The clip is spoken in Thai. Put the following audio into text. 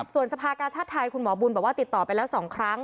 ส่วนสภากาชาติไทยคุณหมอบุญบอกว่าติดต่อไปแล้ว๒ครั้ง